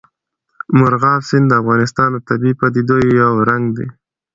مورغاب سیند د افغانستان د طبیعي پدیدو یو رنګ دی.